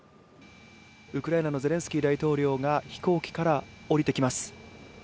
ウクライナのゼレンスキー大統領が飛行機から降りてきます。